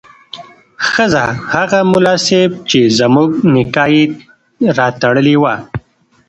ښځه: هغه ملا صیب چې زموږ نکاح یې راتړلې وه